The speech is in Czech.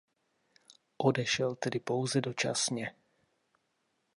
Odešel tedy pouze dočasně.